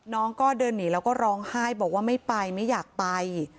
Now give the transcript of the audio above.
น้องก็เดินหนีแล้วก็ร้องไห้บอกว่าไม่ไปไม่อยากไป